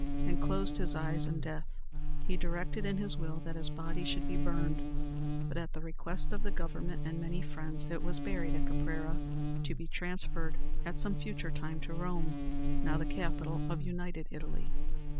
and closed his eyes in death. He directed in his will that his body should be burned; but, at the request of the Government and many friends, it was buried at Caprera, to be transferred at some future time to Rome, now the capital of united Italy.